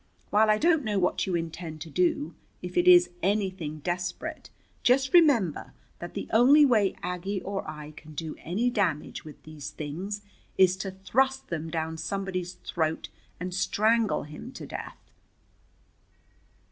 While I don't know what you intend to do, if it is anything desperate, just remember that the only way Aggie or I can do any damage with these things is to thrust them down somebody's throat and strangle him to death."